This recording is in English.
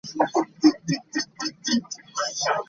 Aims that were peripheral become at a certain moment central.